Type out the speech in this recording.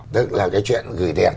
tức là cái chuyện gửi điện